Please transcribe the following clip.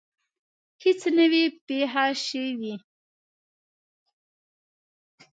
هیڅ نه وي پېښه شوې.